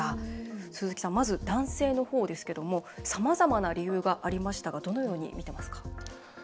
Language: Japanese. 鈴木さん、まず男性の方ですけどさまざまな理由がありましたがどのように見てますか？